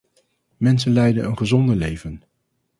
Mensen leiden een gezonder leven.